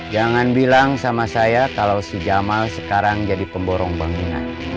jangan bilang sama saya kalau si jamal sekarang jadi pemborong bangunan